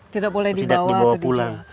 tidak boleh dibawa pulang